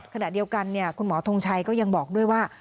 ขณะเดียวกันคุณหมอทงชัยก็ยังบอกด้วยว่า